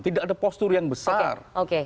tidak ada postur yang besar